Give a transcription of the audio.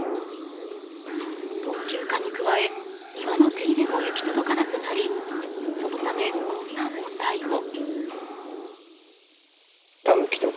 老朽化に加え、庭の手入れも行き届かなくなりそのため、こんな問題も。